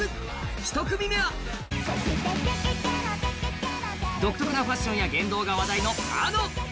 １組目は独特なファッションや言動が話題のａｎｏ。